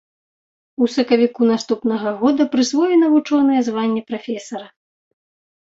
У сакавіку наступнага года прысвоена вучонае званне прафесара.